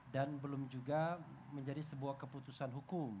dan belum juga menjadi sebuah keputusan hukum